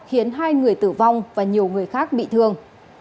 khiến hai người tử vong và nhiều người khác bị thương